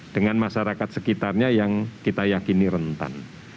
dengan masyarakat sekitarnya yang kita yakini rentan